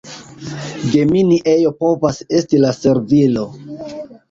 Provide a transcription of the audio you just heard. Gemini ejo povas esti la servilo.